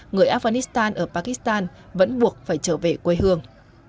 người afghanistan ở pakistan vẫn buộc phải trở về quê hương